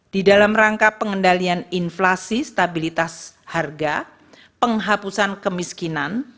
di dalam rangka pengendalian inflasi stabilitas harga penghapusan kemiskinan